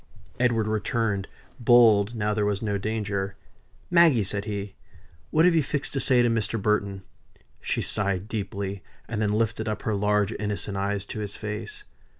Edward returned, bold now there was no danger. "Maggie!" said he, "what have you fixed to say to Mr. Burton?" She sighed deeply; and then lifted up her large innocent eyes to his face.